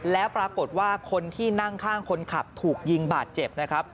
แล้วปรากฏว่าคนที่นั่งข้างคนขับถูกยิงบาดเจ็บนะครับ